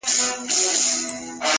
• نیمه شپه روان د خپل بابا پر خوا سو,